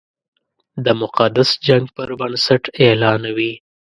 د مقدس جنګ پر بنسټ اعلانوي.